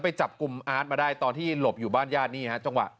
ไปจับกลุ่มอาร์ตมาได้ตอนที่หลบอยู่บ้านย่านนี้นะ